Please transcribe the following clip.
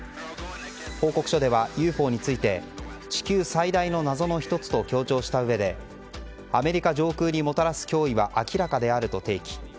報告書ではＵＦＯについて地球最大の謎の１つと強調したうえでアメリカ上空にもたらす脅威は明らかであると提起。